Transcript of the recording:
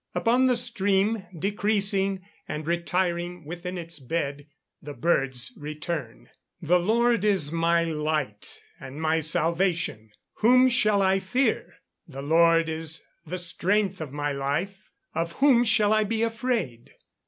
Upon the stream decreasing, and retiring within its bed, the birds return. [Verse: "The Lord is my light and my salvation; whom shall I fear? the Lord is the strength of my life; of whom shall I be afraid?"